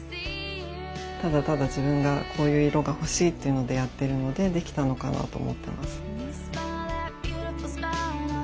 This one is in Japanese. ただただ自分がこういう色が欲しいっていうのでやってるのでできたのかなと思ってます。